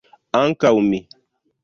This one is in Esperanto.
Ankaŭ mi.